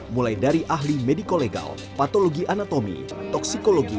mulai dari ahli mediko legal patologi anatomi toksikologi